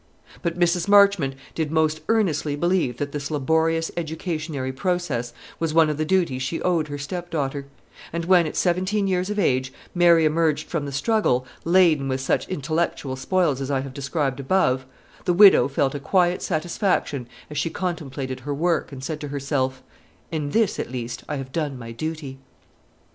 But Mrs. Marchmont did most earnestly believe that this laborious educationary process was one of the duties she owed her stepdaughter; and when, at seventeen years of age, Mary emerged from the struggle, laden with such intellectual spoils as I have described above, the widow felt a quiet satisfaction as she contemplated her work, and said to herself, "In this, at least, I have done my duty."